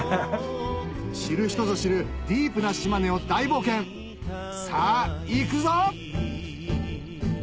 知る人ぞ知るディープな島根を大冒険さぁ行くぞ！